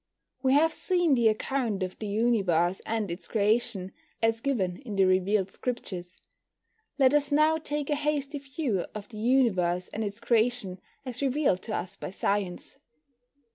We have seen the account of the Universe and its creation, as given in the revealed Scriptures. Let us now take a hasty view of the Universe and its creation as revealed to us by science.